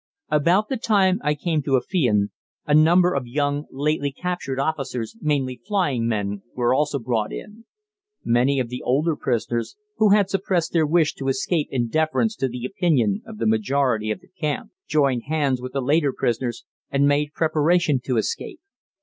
About the time I came to Afion, a number of young lately captured officers, mainly flying men, were also brought in. Many of the older prisoners, who had suppressed their wish to escape in deference to the opinion of the majority of the camp, joined hands with the later prisoners and made preparation to escape.